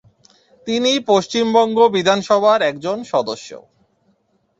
তিনি পশ্চিমবঙ্গ বিধানসভার একজন সদস্য।